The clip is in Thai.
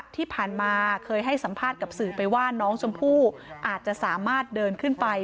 ที่ผ่านมาเคยให้สัมภาษณ์กับสื่อไปว่าน้องชมพู่อาจจะสามารถเดินขึ้นไป